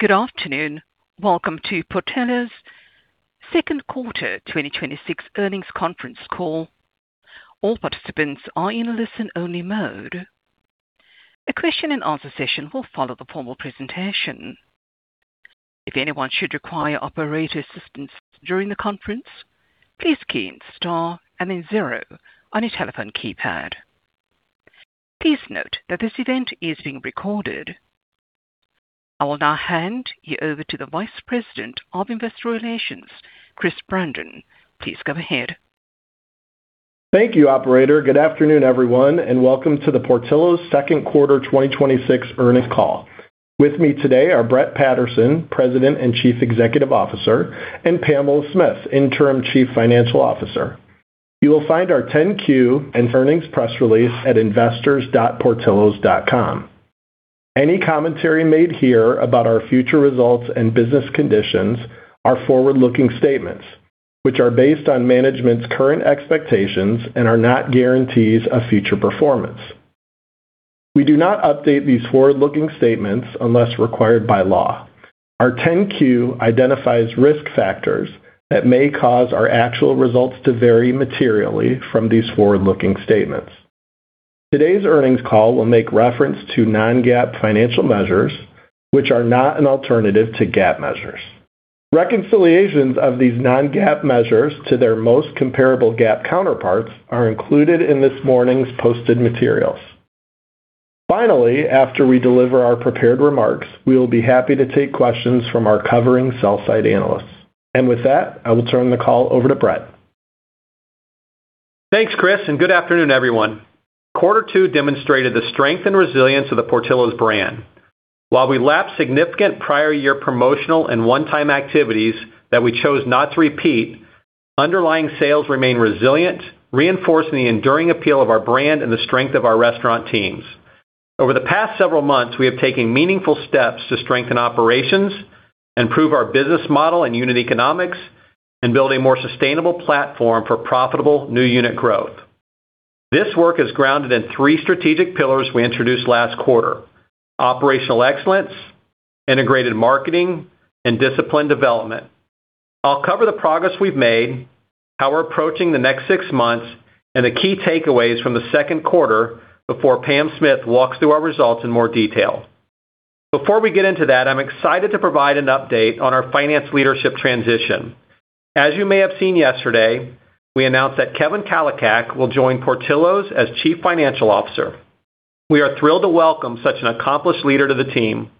Good afternoon. Welcome to Portillo's second quarter 2026 earnings conference call. All participants are in listen-only mode. A question and answer session will follow the formal presentation. If anyone should require operator assistance during the conference, please key in star and then zero on your telephone keypad. Please note that this event is being recorded. I will now hand you over to the Vice President of Investor Relations, Chris Brandon. Please go ahead. Thank you, operator. Good afternoon, everyone, and welcome to the Portillo's second quarter 2026 earnings call. With me today are Brett Patterson, President and Chief Executive Officer, and Pamela Smith, Interim Chief Financial Officer. You will find our 10-Q and earnings press release at investors.portillos.com. Any commentary made here about our future results and business conditions are forward-looking statements, which are based on management's current expectations and are not guarantees of future performance. We do not update these forward-looking statements unless required by law. Our 10-Q identifies risk factors that may cause our actual results to vary materially from these forward-looking statements. Today's earnings call will make reference to non-GAAP financial measures, which are not an alternative to GAAP measures. Reconciliations of these non-GAAP measures to their most comparable GAAP counterparts are included in this morning's posted materials. Finally, after we deliver our prepared remarks, we will be happy to take questions from our covering sell-side analysts. With that, I will turn the call over to Brett. Thanks, Chris. Good afternoon, everyone. Quarter two demonstrated the strength and resilience of the Portillo's brand. While we lapped significant prior year promotional and one-time activities that we chose not to repeat, underlying sales remain resilient, reinforcing the enduring appeal of our brand and the strength of our restaurant teams. Over the past several months, we have taken meaningful steps to strengthen operations, improve our business model and unit economics, and build a more sustainable platform for profitable new unit growth. This work is grounded in three strategic pillars we introduced last quarter: operational excellence, integrated marketing, and disciplined development. I'll cover the progress we've made, how we're approaching the next six months, and the key takeaways from the second quarter before Pam Smith walks through our results in more detail. Before we get into that, I'm excited to provide an update on our finance leadership transition. As you may have seen yesterday, we announced that Kevin Kalicak will join Portillo's as Chief Financial Officer. We are thrilled to welcome such an accomplished leader to the team.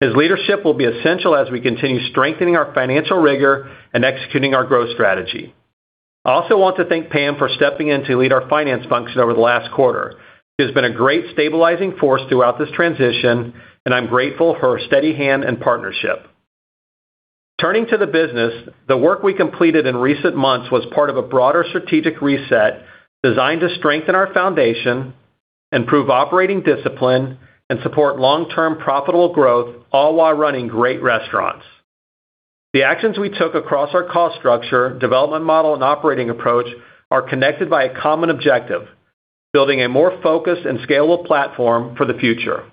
His leadership will be essential as we continue strengthening our financial rigor and executing our growth strategy. I'm also want to thank Pam for stepping in to lead our finance function over the last quarter. She has been a great stabilizing force throughout this transition, and I'm grateful for her steady hand and partnership. Turning to the business, the work we completed in recent months was part of a broader strategic reset designed to strengthen our foundation, improve operating discipline, and support long-term profitable growth, all while running great restaurants. The actions we took across our cost structure, development model, and operating approach are connected by a common objective, building a more focused and scalable platform for the future.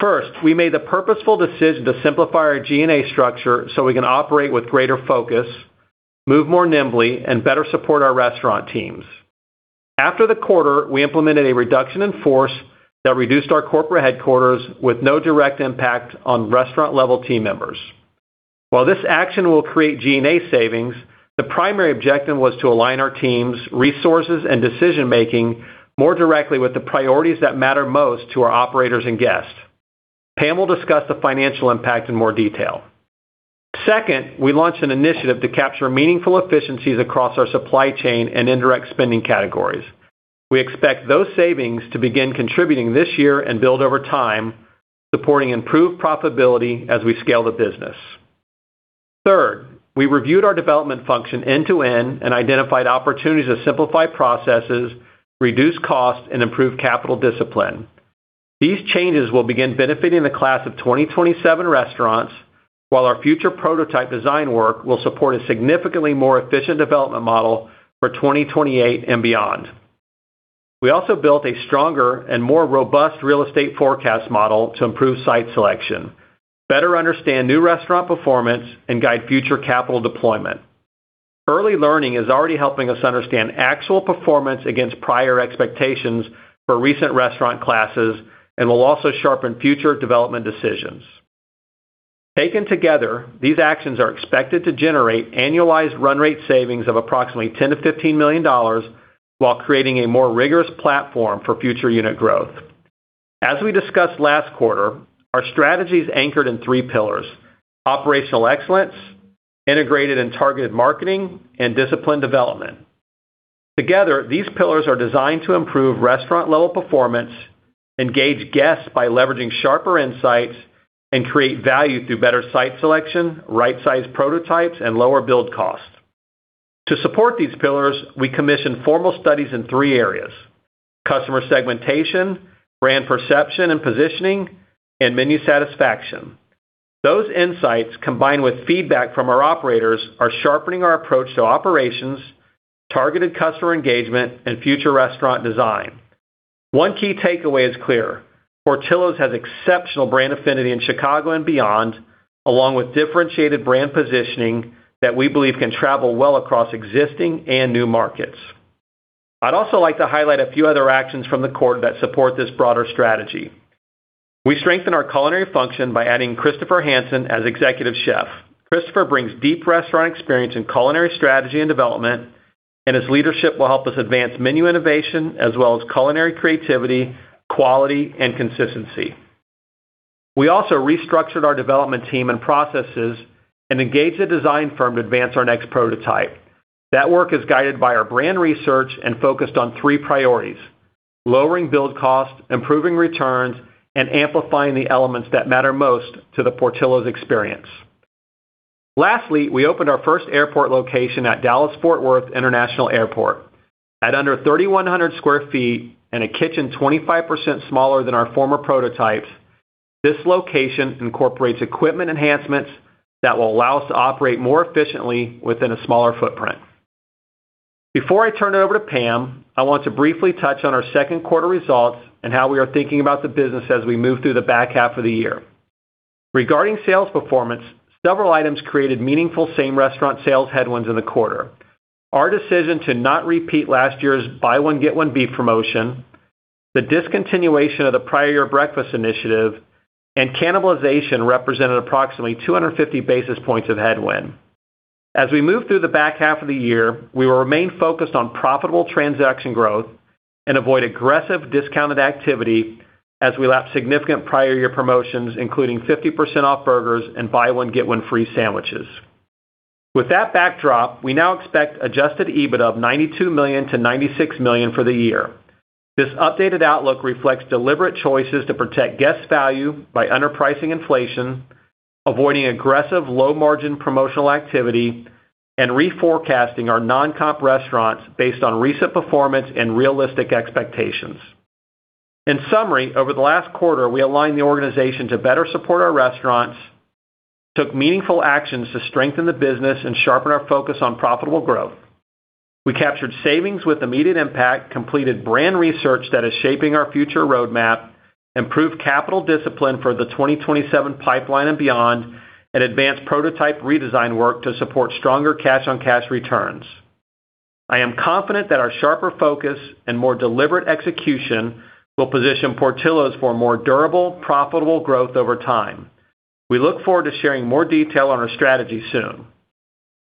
First, we made the purposeful decision to simplify our G&A structure so we can operate with greater focus, move more nimbly, and better support our restaurant teams. After the quarter, we implemented a reduction in force that reduced our corporate headquarters with no direct impact on restaurant-level team members. While this action will create G&A savings, the primary objective was to align our team's resources and decision-making more directly with the priorities that matter most to our operators and guests. Pam will discuss the financial impact in more detail. Second, we launched an initiative to capture meaningful efficiencies across our supply chain and indirect spending categories. We expect those savings to begin contributing this year and build over time, supporting improved profitability as we scale the business. Third, we reviewed our development function end to end and identified opportunities to simplify processes, reduce costs, and improve capital discipline. These changes will begin benefiting the class of 2027 restaurants, while our future prototype design work will support a significantly more efficient development model for 2028 and beyond. We also built a stronger and more robust real estate forecast model to improve site selection, better understand new restaurant performance, and guide future capital deployment. Early learning is already helping us understand actual performance against prior expectations for recent restaurant classes and will also sharpen future development decisions. Taken together, these actions are expected to generate annualized run rate savings of approximately $10 million-$15 million while creating a more rigorous platform for future unit growth. As we discussed last quarter, our strategy is anchored in three pillars: operational excellence, integrated and targeted marketing, and disciplined development. Together, these pillars are designed to improve restaurant-level performance, engage guests by leveraging sharper insights, and create value through better site selection, right-sized prototypes, and lower build costs. To support these pillars, we commissioned formal studies in three areas: customer segmentation, brand perception and positioning, and menu satisfaction. Those insights, combined with feedback from our operators, are sharpening our approach to operations, targeted customer engagement, and future restaurant design. One key takeaway is clear. Portillo's has exceptional brand affinity in Chicago and beyond, along with differentiated brand positioning that we believe can travel well across existing and new markets. I'd also like to highlight a few other actions from the quarter that support this broader strategy. We strengthened our culinary function by adding Christopher Hansen as Executive Chef. Christopher brings deep restaurant experience in culinary strategy and development. His leadership will help us advance menu innovation as well as culinary creativity, quality, and consistency. We also restructured our development team and processes and engaged a design firm to advance our next prototype. That work is guided by our brand research and focused on three priorities: lowering build costs, improving returns, and amplifying the elements that matter most to the Portillo's experience. Lastly, we opened our first airport location at Dallas Fort Worth International Airport. At under 3,100 sq ft and a kitchen 25% smaller than our former prototypes, this location incorporates equipment enhancements that will allow us to operate more efficiently within a smaller footprint. Before I turn it over to Pam, I want to briefly touch on our second quarter results and how we are thinking about the business as we move through the back half of the year. Regarding sales performance, several items created meaningful same-restaurant sales headwinds in the quarter. Our decision to not repeat last year's buy one, get one beef promotion, the discontinuation of the prior year breakfast initiative, and cannibalization represented approximately 250 basis points of headwind. As we move through the back half of the year, we will remain focused on profitable transaction growth and avoid aggressive discounted activity as we lap significant prior year promotions, including 50% off burgers and buy one, get one free sandwiches. With that backdrop, we now expect Adjusted EBITDA of $92 million-$96 million for the year. This updated outlook reflects deliberate choices to protect guest value by underpricing inflation, avoiding aggressive low-margin promotional activity, and reforecasting our non-comp restaurants based on recent performance and realistic expectations. In summary, over the last quarter, we aligned the organization to better support our restaurants, took meaningful actions to strengthen the business, and sharpened our focus on profitable growth. We captured savings with immediate impact, completed brand research that is shaping our future roadmap, improved capital discipline for the 2027 pipeline and beyond, and advanced prototype redesign work to support stronger cash-on-cash returns. I am confident that our sharper focus and more deliberate execution will position Portillo's for more durable, profitable growth over time. We look forward to sharing more detail on our strategy soon.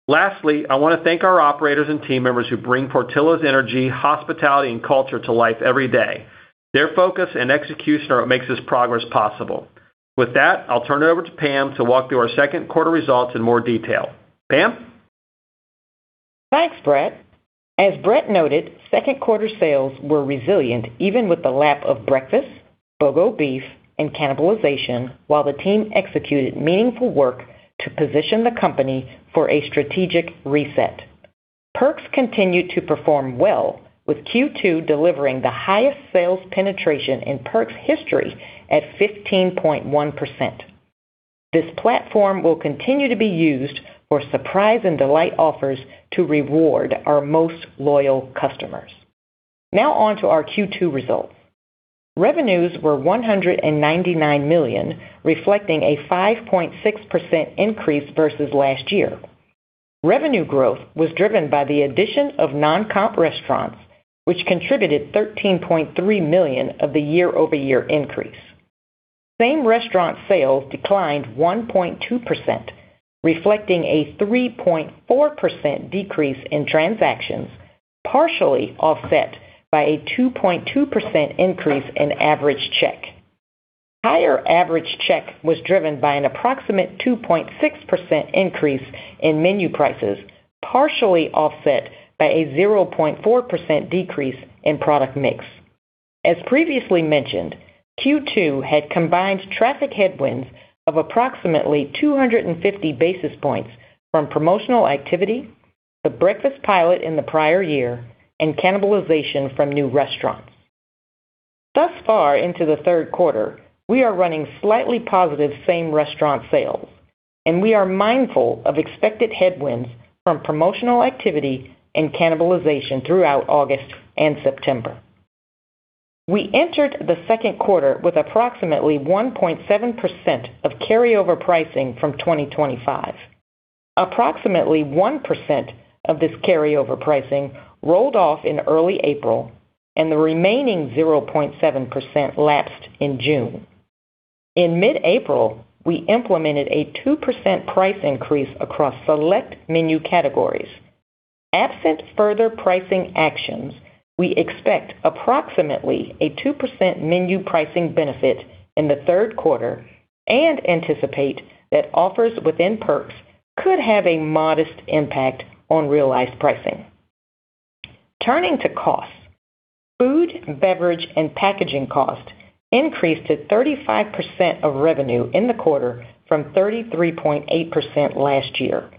Lastly, I want to thank our operators and team members who bring Portillo's energy, hospitality, and culture to life every day. Their focus and execution are what makes this progress possible. With that, I'll turn it over to Pam to walk through our second quarter results in more detail. Pam? Thanks, Brett. As Brett noted, second quarter sales were resilient even with the lap of breakfast, BOGO beef, and cannibalization while the team executed meaningful work to position the company for a strategic reset. Perks continued to perform well with Q2 delivering the highest sales penetration in Perks history at 15.1%. This platform will continue to be used for surprise and delight offers to reward our most loyal customers. On to our Q2 results. Revenues were $199 million, reflecting a 5.6% increase versus last year. Revenue growth was driven by the addition of non-comp restaurants, which contributed $13.3 million of the year-over-year increase. Same-restaurant sales declined 1.2%, reflecting a 3.4% decrease in transactions, partially offset by a 2.2% increase in average check. Higher average check was driven by an approximate 2.6% increase in menu prices, partially offset by a 0.4% decrease in product mix. As previously mentioned, Q2 had combined traffic headwinds of approximately 250 basis points from promotional activity, the breakfast pilot in the prior year, and cannibalization from new restaurants. Into the third quarter, we are running slightly positive same-restaurant sales, and we are mindful of expected headwinds from promotional activity and cannibalization throughout August and September. We entered the second quarter with approximately 1.7% of carryover pricing from 2025. Approximately 1% of this carryover pricing rolled off in early April, and the remaining 0.7% lapsed in June. In mid-April, we implemented a 2% price increase across select menu categories. Absent further pricing actions, we expect approximately a 2% menu pricing benefit in the third quarter and anticipate that offers within Perks could have a modest impact on realized pricing. Turning to costs. Food, beverage, and packaging cost increased to 35% of revenue in the quarter from 33.8% last year.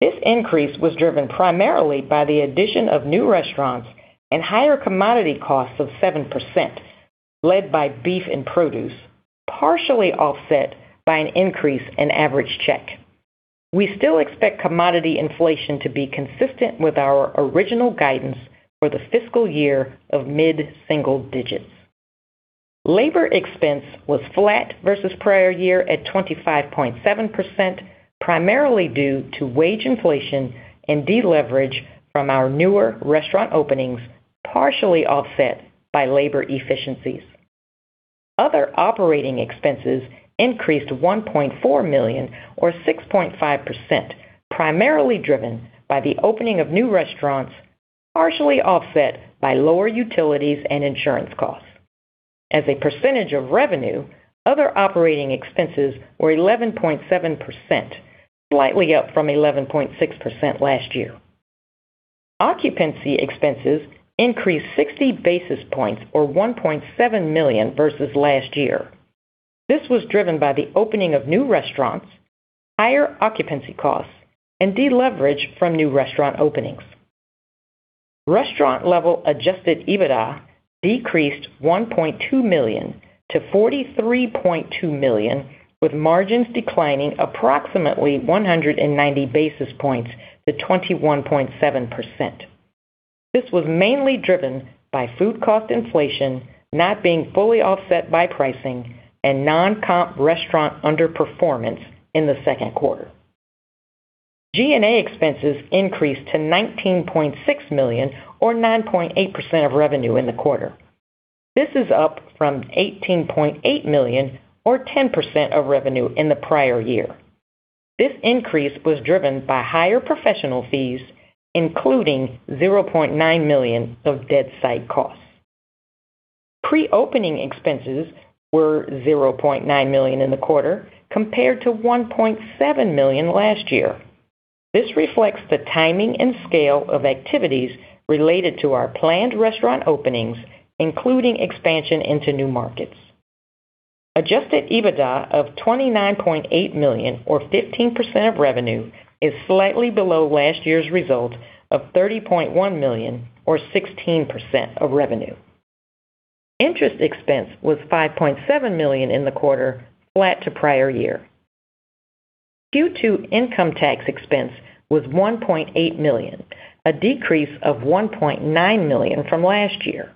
This increase was driven primarily by the addition of new restaurants and higher commodity costs of 7%. Led by beef and produce, partially offset by an increase in average check. We still expect commodity inflation to be consistent with our original guidance for the fiscal year of mid-single digits. Labor expense was flat versus prior year at 25.7%, primarily due to wage inflation and deleverage from our newer restaurant openings, partially offset by labor efficiencies. Other operating expenses increased $1.4 million or 6.5%, primarily driven by the opening of new restaurants, partially offset by lower utilities and insurance costs. As a percentage of revenue, other operating expenses were 11.7%, slightly up from 11.6% last year. Occupancy expenses increased 60 basis points or $1.7 million versus last year. This was driven by the opening of new restaurants, higher occupancy costs and deleverage from new restaurant openings. Restaurant-Level Adjusted EBITDA decreased $1.2 million to $43.2 million, with margins declining approximately 190 basis points to 21.7%. This was mainly driven by food cost inflation not being fully offset by pricing and non-comp restaurant underperformance in the second quarter. G&A expenses increased to $19.6 million or 9.8% of revenue in the quarter. This is up from $18.8 million or 10% of revenue in the prior year. This increase was driven by higher professional fees, including $0.9 million of debt side costs. Pre-opening expenses were $0.9 million in the quarter, compared to $1.7 million last year. This reflects the timing and scale of activities related to our planned restaurant openings, including expansion into new markets. Adjusted EBITDA of $29.8 million, or 15% of revenue, is slightly below last year's result of $30.1 million or 16% of revenue. Interest expense was $5.7 million in the quarter, flat to prior year. Q2 income tax expense was $1.8 million, a decrease of $1.9 million from last year.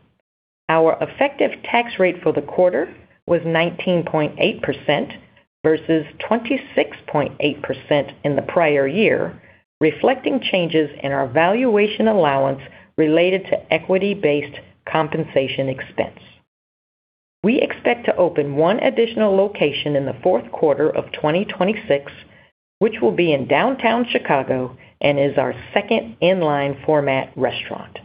Our effective tax rate for the quarter was 19.8% versus 26.8% in the prior year, reflecting changes in our valuation allowance related to equity-based compensation expense. We expect to open one additional location in the fourth quarter of 2026, which will be in downtown Chicago and is our second in-line format restaurant.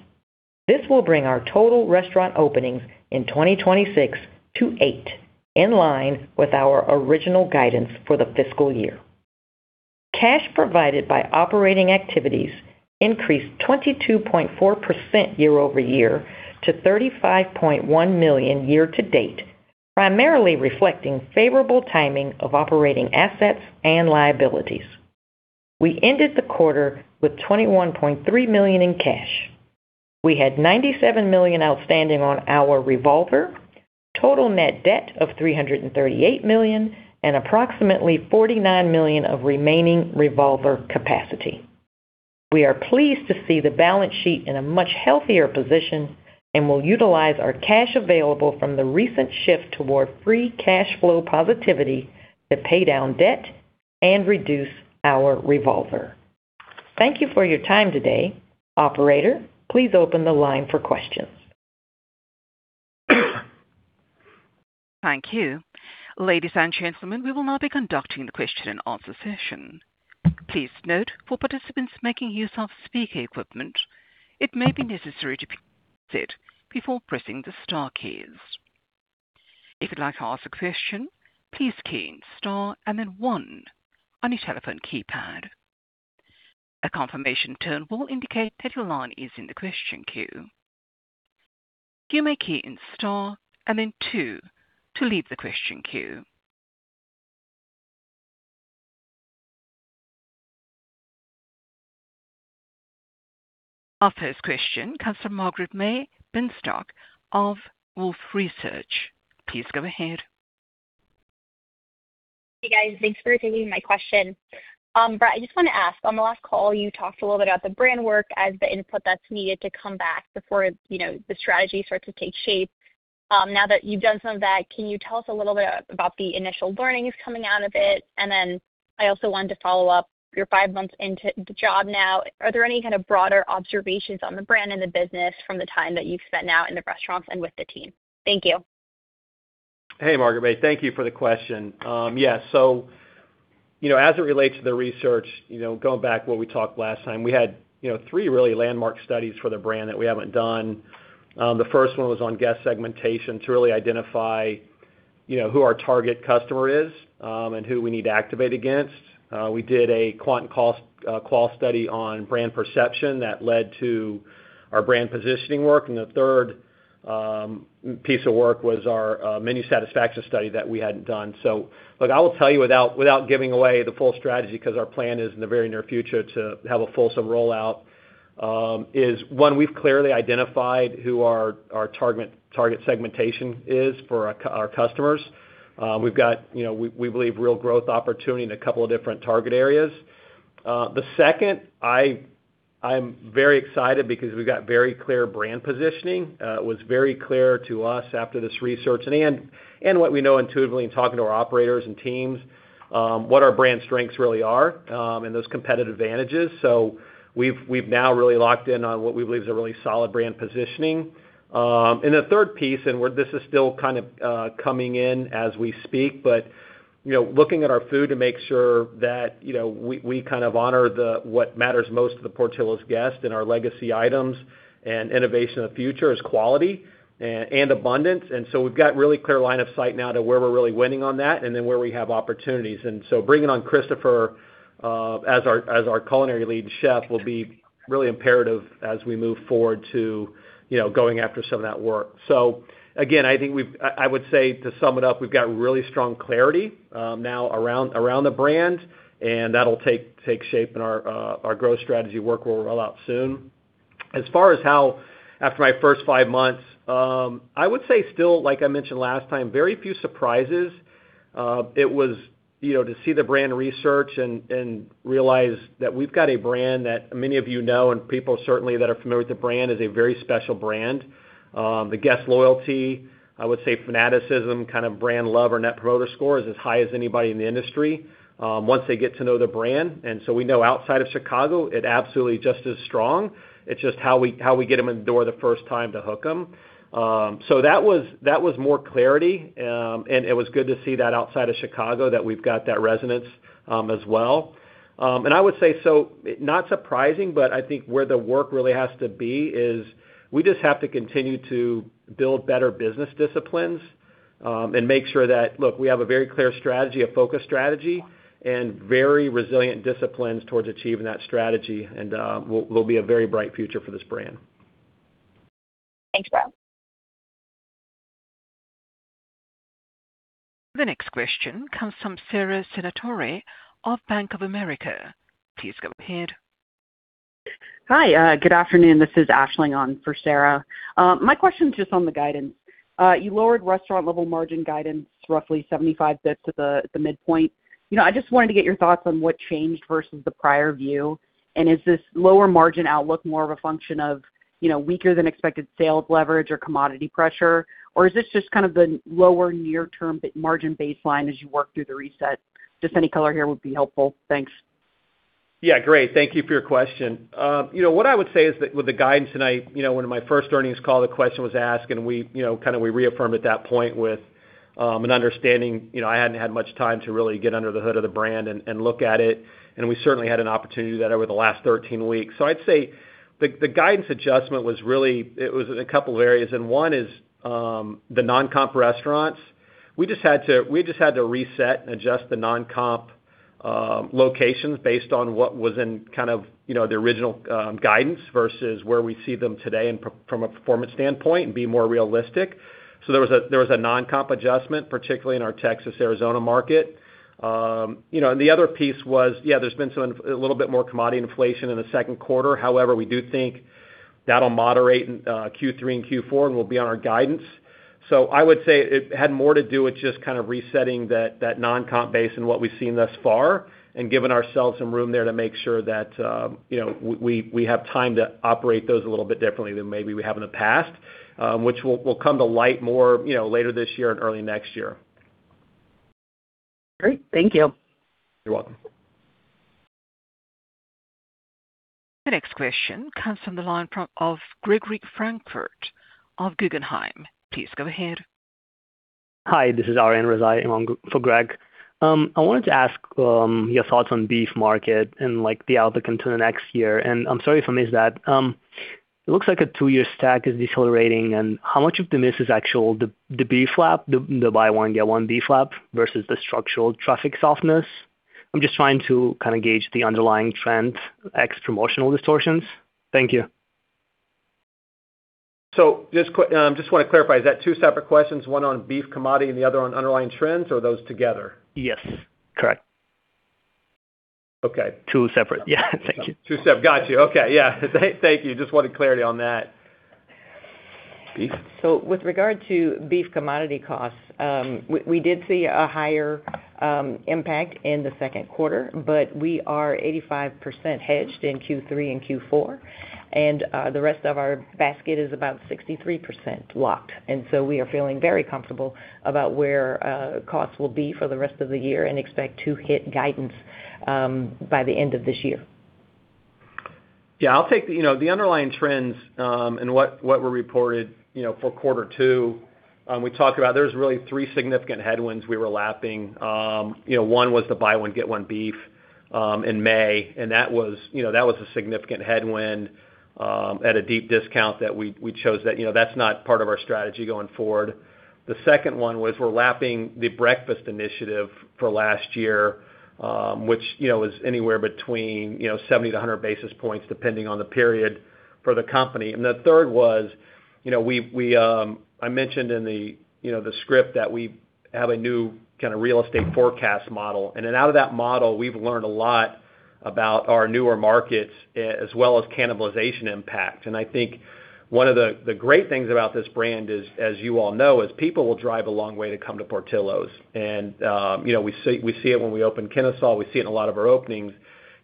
This will bring our total restaurant openings in 2026 to eight, in line with our original guidance for the fiscal year. Cash provided by operating activities increased 22.4% year-over-year to $35.1 million year to date, primarily reflecting favorable timing of operating assets and liabilities. We ended the quarter with $21.3 million in cash. We had $97 million outstanding on our revolver, total net debt of $338 million, and approximately $49 million of remaining revolver capacity. We are pleased to see the balance sheet in a much healthier position. We will utilize our cash available from the recent shift toward free cash flow positivity to pay down debt and reduce our revolver. Thank you for your time today. Operator, please open the line for questions. Thank you. Ladies and gentlemen, we will now be conducting the question-and-answer session. Please note, for participants making use of speaker equipment, it may be necessary to press it before pressing the star keys. If you'd like to ask a question, please key in star and then one on your telephone keypad. A confirmation tone will indicate that your line is in the question queue. You may key in star and then two to leave the question queue. Our first question comes from Margaret Binshtok of Wolfe Research. Please go ahead. Hey, guys. Thanks for taking my question. Brett, I just want to ask, on the last call, you talked a little bit about the brand work as the input that's needed to come back before the strategy starts to take shape. Now that you've done some of that, can you tell us a little bit about the initial learnings coming out of it? I also wanted to follow up, you're five months into the job now. Are there any kind of broader observations on the brand and the business from the time that you've spent now in the restaurants and with the team? Thank you. Hey, Margaret May. Thank you for the question. As it relates to the research, going back what we talked last time, we had three really landmark studies for the brand that we haven't done. The first one was on guest segmentation to really identify who our target customer is, and who we need to activate against. We did a quant/qual study on brand perception that led to our brand positioning work. The third piece of work was our menu satisfaction study that we hadn't done. Look, I will tell you without giving away the full strategy, because our plan is in the very near future to have a fulsome rollout, is one, we've clearly identified who our target segmentation is for our customers. We've got, we believe, real growth opportunity in a couple of different target areas. The second, I'm very excited because we've got very clear brand positioning. It was very clear to us after this research and what we know intuitively in talking to our operators and teams, what our brand strengths really are, and those competitive advantages. We've now really locked in on what we believe is a really solid brand positioning. The third piece, and this is still kind of coming in as we speak, but looking at our food to make sure that we honor what matters most to the Portillo's guest and our legacy items and innovation of the future is quality and abundance. We've got really clear line of sight now to where we're really winning on that and then where we have opportunities. Bringing on Christopher, as our culinary lead chef will be really imperative as we move forward to going after some of that work. Again, I would say to sum it up, we've got really strong clarity now around the brand, and that'll take shape in our growth strategy work we'll roll out soon. As far as how, after my first five months, I would say still, like I mentioned last time, very few surprises. To see the brand research and realize that we've got a brand that many of you know, and people certainly that are familiar with the brand, is a very special brand. The guest loyalty, I would say fanaticism, kind of brand love or net promoter score is as high as anybody in the industry, once they get to know the brand. We know outside of Chicago, it absolutely just as strong. It's just how we get them in the door the first time to hook them. That was more clarity. It was good to see that outside of Chicago, that we've got that resonance as well. I would say not surprising, but I think where the work really has to be is we just have to continue to build better business disciplines, and make sure that, look, we have a very clear strategy, a focused strategy, and very resilient disciplines towards achieving that strategy. Will be a very bright future for this brand. Thanks, Rob. The next question comes from Sara Senatore of Bank of America. Please go ahead. Hi. Good afternoon. This is Aisling on for Sara. My question is just on the guidance. You lowered restaurant-level margin guidance roughly 75 basis points at the midpoint. I just wanted to get your thoughts on what changed versus the prior view. Is this lower margin outlook more of a function of weaker than expected sales leverage or commodity pressure? Or is this just kind of the lower near term margin baseline as you work through the reset? Just any color here would be helpful. Thanks. Yeah, great. Thank you for your question. What I would say is that with the guidance tonight, one of my first earnings calls, the question was asked, and we reaffirmed at that point with an understanding. I hadn't had much time to really get under the hood of the brand and look at it. We certainly had an opportunity to do that over the last 13 weeks. I'd say the guidance adjustment was in a couple of areas. One is the non-comp restaurants. We just had to reset and adjust the non-comp locations based on what was in the original guidance versus where we see them today from a performance standpoint and be more realistic. There was a non-comp adjustment, particularly in our Texas, Arizona market. The other piece was, there's been a little bit more commodity inflation in the second quarter. However, we do think that'll moderate in Q3 and Q4. We'll be on our guidance. I would say it had more to do with just kind of resetting that non-comp base and what we've seen thus far and giving ourselves some room there to make sure that we have time to operate those a little bit differently than maybe we have in the past, which will come to light more later this year and early next year. Great. Thank you. You're welcome. The next question comes from the line of Gregory Francfort of Guggenheim. Please go ahead. Hi, this is Arian Razaei for Greg. I wanted to ask your thoughts on beef market and like the outlook into the next year. I'm sorry if I missed that. It looks like a two-year stack is decelerating. How much of the miss is actual, the beef flap, the buy one, get one beef flap versus the structural traffic softness? I'm just trying to kind of gauge the underlying trends, ex promotional distortions. Thank you. Just want to clarify, is that two separate questions, one on beef commodity and the other on underlying trends, or are those together? Yes, correct. Okay. Two separate. Yeah. Thank you. Two separate. Got you. Okay. Yeah. Thank you. Just wanted clarity on that. Beef. With regard to beef commodity costs, we did see a higher impact in the second quarter, but we are 85% hedged in Q3 and Q4. The rest of our basket is about 63% locked. We are feeling very comfortable about where costs will be for the rest of the year and expect to hit guidance by the end of this year. Yeah, I'll take the underlying trends, and what were reported for quarter two. We talked about there's really three significant headwinds we were lapping. One was the buy one get one beef in May, and that was a significant headwind at a deep discount that we chose. That's not part of our strategy going forward. The second one was we're lapping the breakfast initiative for last year, which is anywhere between 70 to 100 basis points, depending on the period for the company. The third was, I mentioned in the script that we have a new kind of real estate forecast model. Out of that model, we've learned a lot about our newer markets, as well as cannibalization impact. I think one of the great things about this brand is, as you all know, is people will drive a long way to come to Portillo's. We see it when we open Kennesaw, we see it in a lot of our openings.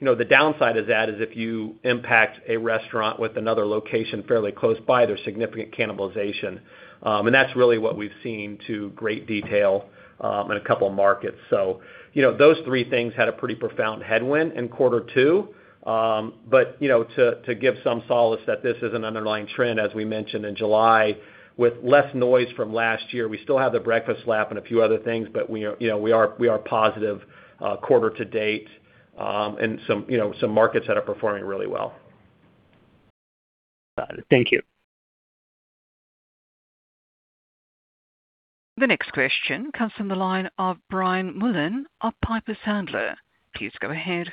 The downside of that is if you impact a restaurant with another location fairly close by, there's significant cannibalization. That's really what we've seen to great detail in a couple of markets. Those three things had a pretty profound headwind in quarter two. To give some solace that this is an underlying trend, as we mentioned in July, with less noise from last year. We still have the breakfast lap and a few other things, but we are positive quarter to date, and some markets that are performing really well. Got it. Thank you. The next question comes from the line of Brian Mullan of Piper Sandler. Please go ahead.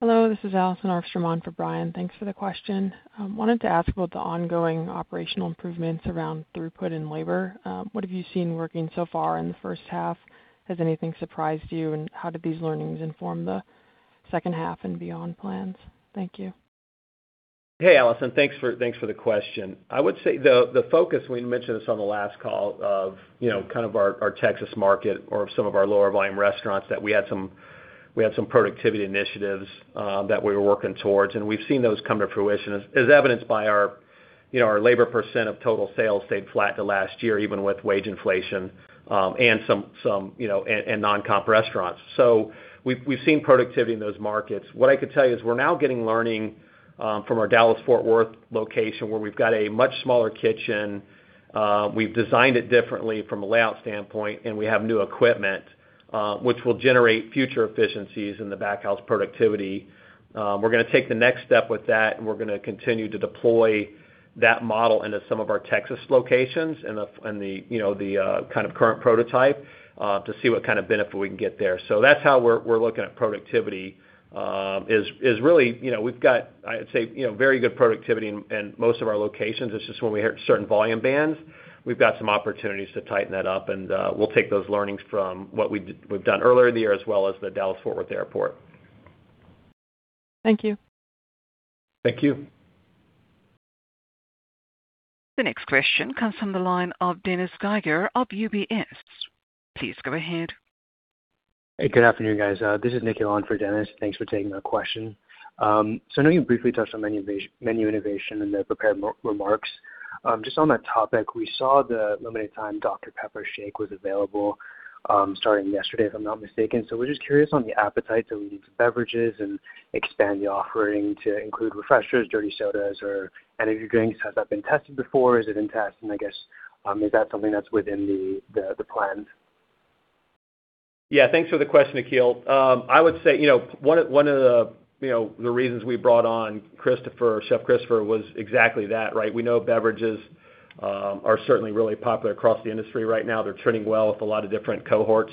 Hello, this is Allison Arfstrom on for Brian. Thanks for the question. I wanted to ask about the ongoing operational improvements around throughput and labor. What have you seen working so far in the first half? Has anything surprised you, and how did these learnings inform the second half and beyond plans? Thank you. Hey, Allison. Thanks for the question. I would say the focus, we mentioned this on the last call, of kind of our Texas market or some of our lower volume restaurants, that we had some productivity initiatives that we were working towards, and we've seen those come to fruition. As evidenced by our labor % of total sales stayed flat to last year, even with wage inflation, and non-comp restaurants. We've seen productivity in those markets. What I could tell you is we're now getting learning from our Dallas-Fort Worth location, where we've got a much smaller kitchen. We've designed it differently from a layout standpoint, and we have new equipment, which will generate future efficiencies in the back house productivity. We're going to take the next step with that, and we're going to continue to deploy that model into some of our Texas locations and the kind of current prototype, to see what kind of benefit we can get there. That's how we're looking at productivity, is really, we've got, I would say, very good productivity in most of our locations. It's just when we hit certain volume bands, we've got some opportunities to tighten that up, and we'll take those learnings from what we've done earlier in the year, as well as the Dallas-Fort Worth Airport. Thank you. Thank you. The next question comes from the line of Dennis Geiger of UBS. Please go ahead. Hey, good afternoon, guys. This is Nikhil on for Dennis. Thanks for taking my question. I know you briefly touched on menu innovation in the prepared remarks. Just on that topic, we saw the limited time Dr Pepper shake was available, starting yesterday, if I'm not mistaken. We're just curious on the appetite to lead to beverages and expand the offering to include refreshers, dirty sodas or energy drinks. Has that been tested before? Is it in test? I guess, is that something that's within the plans? Yeah. Thanks for the question, Nikhil. I would say, one of the reasons we brought on Chef Christopher was exactly that, right? We know beverages are certainly really popular across the industry right now. They're trending well with a lot of different cohorts.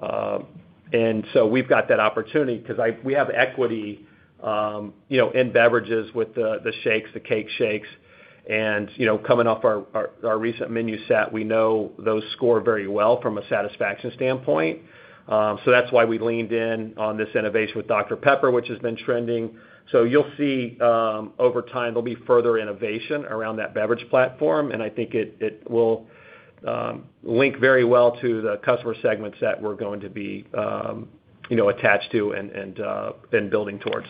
We've got that opportunity because we have equity in beverages with the shakes, the Cake Shakes, and coming off our recent menu set, we know those score very well from a satisfaction standpoint. That's why we leaned in on this innovation with Dr Pepper, which has been trending. You'll see, over time, there'll be further innovation around that beverage platform, I think it will link very well to the customer segments that we're going to be attached to and then building towards.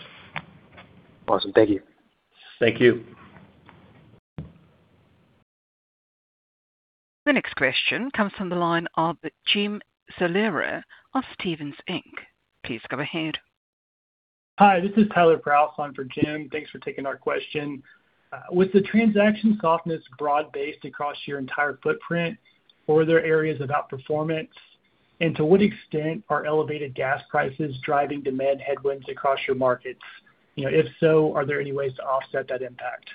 Awesome. Thank you. Thank you. The next question comes from the line of Jim Salera of Stephens Inc. Please go ahead. Hi, this is Tyler Prause on for Jim. Thanks for taking our question. Was the transaction softness broad-based across your entire footprint? Or are there areas of outperformance? To what extent are elevated gas prices driving demand headwinds across your markets? If so, are there any ways to offset that impact?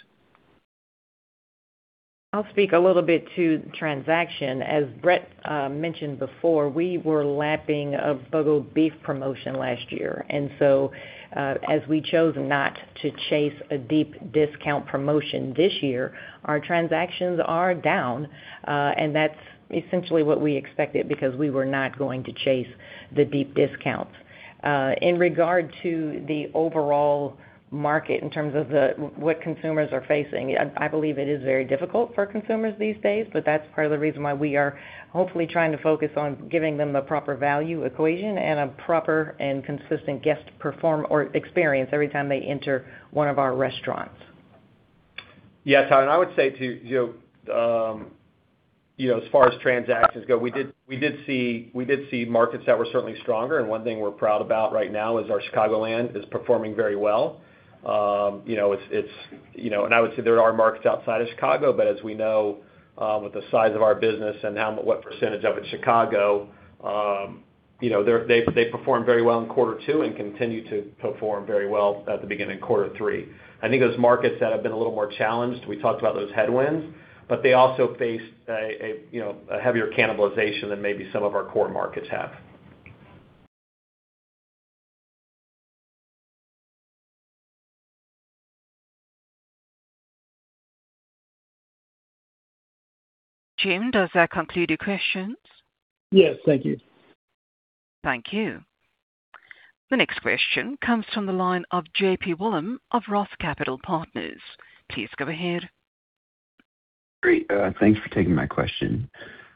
I'll speak a little bit to the transaction. As Brett mentioned before, we were lapping a BOGO beef promotion last year. As we chose not to chase a deep discount promotion this year, our transactions are down. That's essentially what we expected because we were not going to chase the deep discounts. In regard to the overall market in terms of what consumers are facing, I believe it is very difficult for consumers these days, that's part of the reason why we are hopefully trying to focus on giving them the proper value equation and a proper and consistent guest perform or experience every time they enter one of our restaurants. Yeah, Tyler, I would say too, as far as transactions go, we did see markets that were certainly stronger. One thing we're proud about right now is our Chicagoland is performing very well. I would say there are markets outside of Chicago. As we know, with the size of our business and what percentage of it is Chicago, they performed very well in quarter two and continue to perform very well at the beginning of quarter three. I think those markets that have been a little more challenged, we talked about those headwinds, but they also face a heavier cannibalization than maybe some of our core markets have. Jim, does that conclude your questions? Yes. Thank you. Thank you. The next question comes from the line of J.P. Wollam of ROTH Capital Partners. Please go ahead. Great. Thanks for taking my question.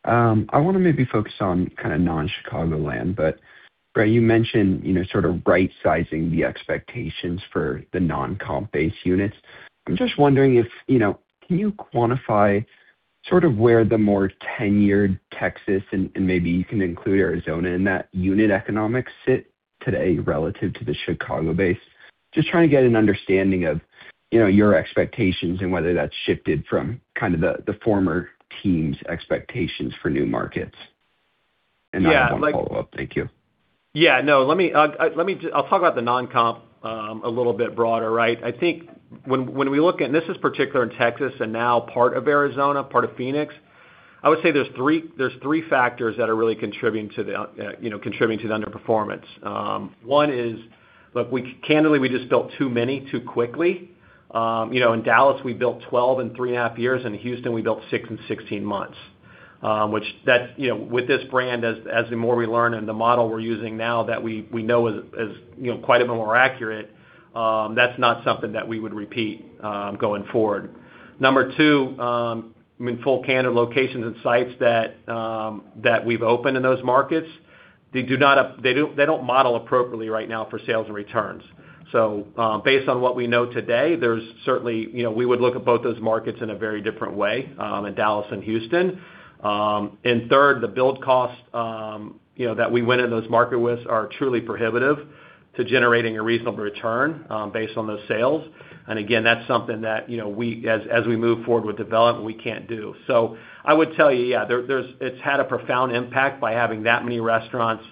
I want to maybe focus on kind of non-Chicagoland, but Brett, you mentioned sort of right-sizing the expectations for the non-comp base units. I'm just wondering if, can you quantify sort of where the more tenured Texas, and maybe you can include Arizona in that unit economics sit today relative to the Chicago base? Just trying to get an understanding of your expectations and whether that's shifted from kind of the former team's expectations for new markets. I have one follow-up. Thank you. Yeah, no. I'll talk about the non-comp, a little bit broader, right? I think when we look at, and this is particular in Texas and now part of Arizona, part of Phoenix, I would say there's three factors that are really contributing to the underperformance. One is, look, candidly, we just built too many too quickly. In Dallas, we built 12 in three and a half years. In Houston, we built six in 16 months. With this brand, as the more we learn and the model we're using now that we know is quite a bit more accurate, that's not something that we would repeat, going forward. Number two, in full candid locations and sites that we've opened in those markets, they don't model appropriately right now for sales and returns. Based on what we know today, we would look at both those markets in a very different way, in Dallas and Houston. Third, the build cost that we went in those market with are truly prohibitive to generating a reasonable return based on those sales. Again, that's something that, as we move forward with development, we can't do. I would tell you, yeah, it's had a profound impact by having that many restaurants,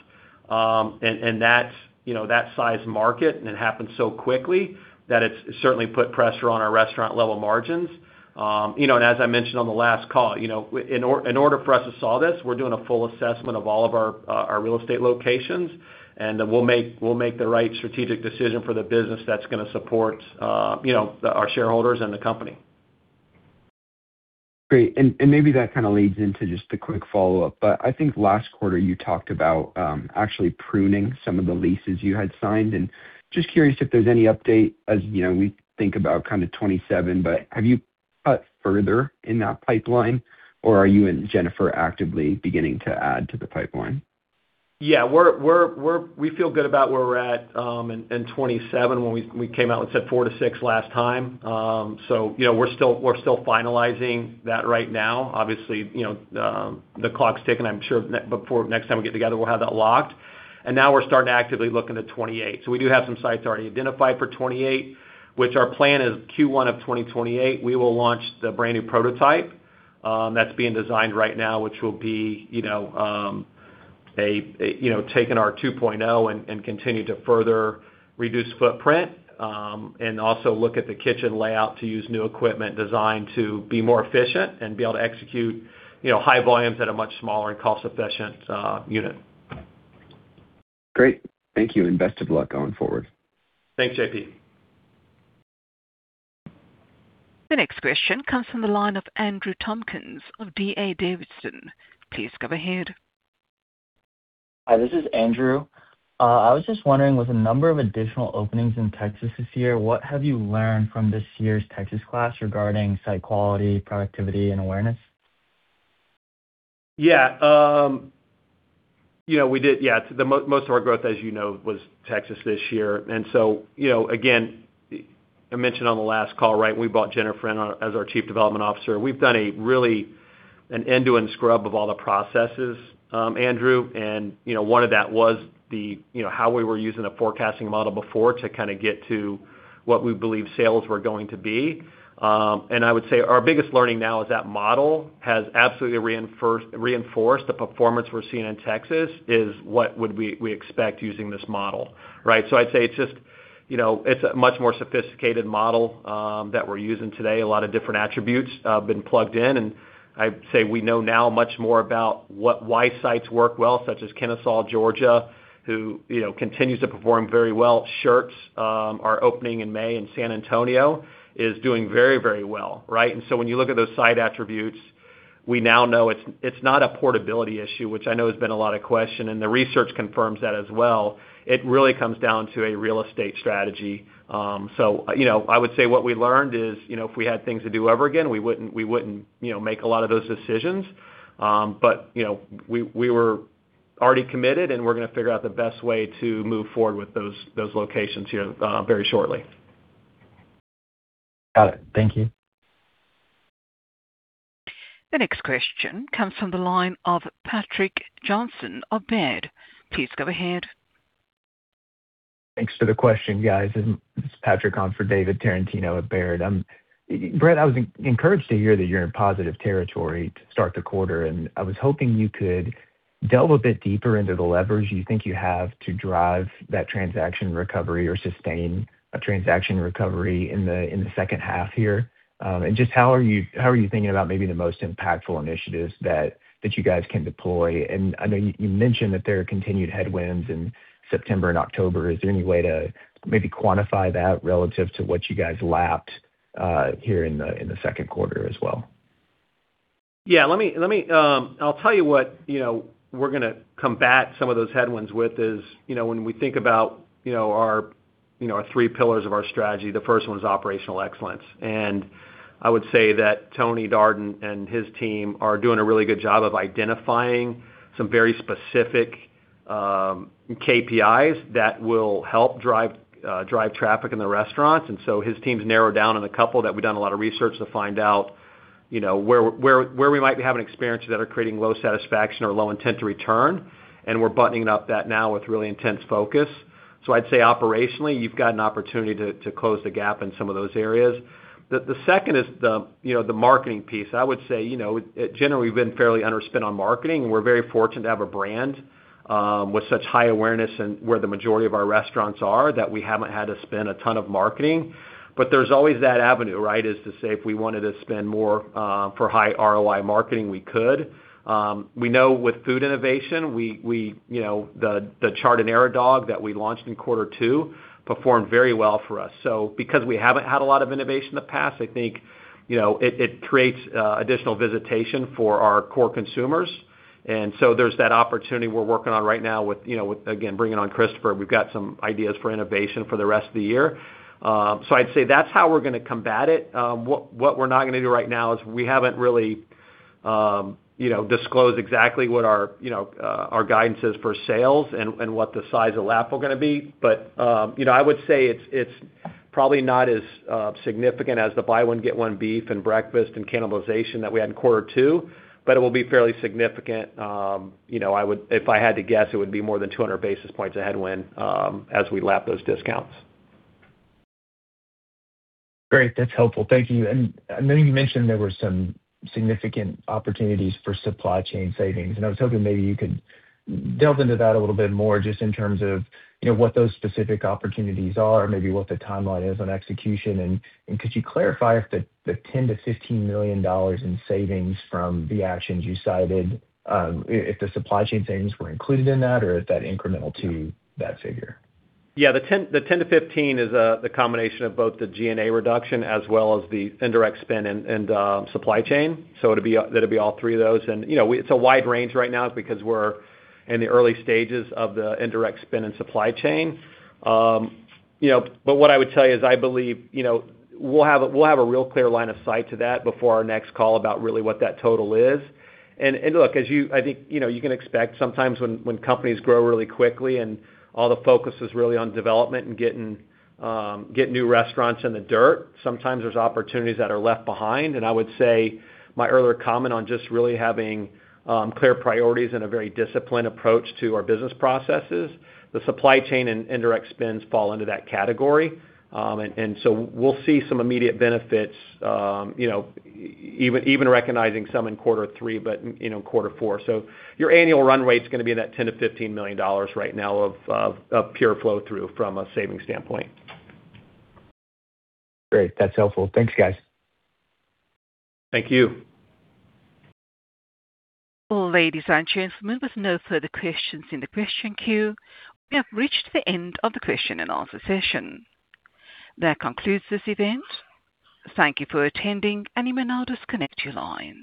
and that size market, and it happened so quickly that it's certainly put pressure on our restaurant level margins. As I mentioned on the last call, in order for us to solve this, we're doing a full assessment of all of our real estate locations, and then we'll make the right strategic decision for the business that's going to support our shareholders and the company. Great. Maybe that kind of leads into just a quick follow-up, I think last quarter you talked about actually pruning some of the leases you had signed, and just curious if there's any update. As we think about kind of 2027, have you cut further in that pipeline, or are you and Jennifer actively beginning to add to the pipeline? We feel good about where we're at in 2027 when we came out and said four to six last time. We're still finalizing that right now. Obviously, the clock's ticking. I'm sure before next time we get together, we'll have that locked. Now we're starting to actively look into 2028. We do have some sites already identified for 2028, which our plan is Q1 of 2028. We will launch the brand new prototype, that's being designed right now, which will be taking our 2.0 and continue to further reduce footprint. Also look at the kitchen layout to use new equipment designed to be more efficient and be able to execute high volumes at a much smaller and cost-efficient unit. Great. Thank you and best of luck going forward. Thanks, JP. The next question comes from the line of Andrew Tompkins of D.A. Davidson. Please go ahead. Hi, this is Andrew. I was just wondering, with a number of additional openings in Texas this year, what have you learned from this year's Texas class regarding site quality, productivity, and awareness? Yeah. Most of our growth, as you know, was Texas this year. Again, I mentioned on the last call, right? We brought Jennifer in as our Chief Development Officer. We've done a really, an end-to-end scrub of all the processes, Andrew. One of that was how we were using a forecasting model before to kind of get to what we believe sales were going to be. I would say our biggest learning now is that model has absolutely reinforced the performance we're seeing in Texas is what would we expect using this model, right? I'd say it's a much more sophisticated model, that we're using today. A lot of different attributes have been plugged in, I'd say we know now much more about why sites work well, such as Kennesaw, Georgia, who continues to perform very well. Schertz, our opening in May in San Antonio is doing very, very well, right? When you look at those site attributes, we now know it's not a portability issue, which I know has been a lot of question, and the research confirms that as well. It really comes down to a real estate strategy. I would say what we learned is, if we had things to do over again, we wouldn't make a lot of those decisions. We were already committed, and we're going to figure out the best way to move forward with those locations here very shortly. Got it. Thank you. The next question comes from the line of Patrick Johnson of Baird. Please go ahead. Thanks for the question, guys. This is Patrick on for David Tarantino at Baird. Brett, I was encouraged to hear that you're in positive territory to start the quarter. I was hoping you could delve a bit deeper into the leverage you think you have to drive that transaction recovery or sustain a transaction recovery in the second half here. Just how are you thinking about maybe the most impactful initiatives that you guys can deploy? I know you mentioned that there are continued headwinds in September and October. Is there any way to maybe quantify that relative to what you guys lapped here in the second quarter as well? Yeah. I'll tell you what we're going to combat some of those headwinds with is, when we think about our three pillars of our strategy, the first one is operational excellence. I would say that Tony Darden and his team are doing a really good job of identifying some very specific KPIs that will help drive traffic in the restaurants. His team's narrowed down on a couple that we've done a lot of research to find out where we might be having experiences that are creating low satisfaction or low intent to return, and we're buttoning up that now with really intense focus. I'd say operationally, you've got an opportunity to close the gap in some of those areas. The second is the marketing piece. I would say, generally, we've been fairly underspent on marketing. We're very fortunate to have a brand with such high awareness and where the majority of our restaurants are, that we haven't had to spend a ton of marketing. There's always that avenue, right? Is to say, if we wanted to spend more for high ROI marketing, we could. We know with food innovation, the Char'diniera Hot Dog that we launched in quarter two performed very well for us. Because we haven't had a lot of innovation in the past, I think it creates additional visitation for our core consumers. There's that opportunity we're working on right now with, again, bringing on Christopher. We've got some ideas for innovation for the rest of the year. I'd say that's how we're going to combat it. What we're not going to do right now is we haven't really disclosed exactly what our guidance is for sales and what the size of lap we're going to be. I would say it's probably not as significant as the buy one get one beef and breakfast and cannibalization that we had in quarter two, but it will be fairly significant. If I had to guess, it would be more than 200 basis points of headwind as we lap those discounts. Great. That's helpful. Thank you. I know you mentioned there were some significant opportunities for supply chain savings, and I was hoping maybe you could delve into that a little bit more just in terms of what those specific opportunities are or maybe what the timeline is on execution. Could you clarify if the $10 million-$15 million in savings from the actions you cited, if the supply chain savings were included in that, or is that incremental to that figure? Yeah, the $10 million-$15 million is the combination of both the G&A reduction as well as the indirect spend and supply chain. That'd be all three of those. It's a wide range right now because we're in the early stages of the indirect spend and supply chain. What I would tell you is, I believe we'll have a real clear line of sight to that before our next call about really what that total is. Look, I think you can expect sometimes when companies grow really quickly and all the focus is really on development and get new restaurants in the dirt, sometimes there's opportunities that are left behind. I would say my earlier comment on just really having clear priorities and a very disciplined approach to our business processes, the supply chain and indirect spends fall into that category. We'll see some immediate benefits, even recognizing some in quarter three, but quarter four. Your annual run rate's going to be in that $10 million-$15 million right now of pure flow-through from a savings standpoint. Great. That's helpful. Thanks, guys. Thank you. Ladies and gentlemen, with no further questions in the question queue, we have reached the end of the question and answer session. That concludes this event. Thank you for attending, and you may now disconnect your lines.